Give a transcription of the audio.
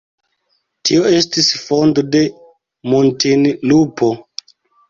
Tio estis fondo de Muntinlupo.